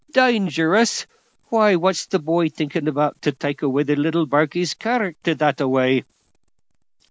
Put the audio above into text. "Dangerous! why, what's the boy thinking about, to take away the little barkie's character that a way?"